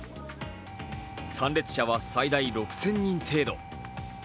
参列者は最大６０００人程度。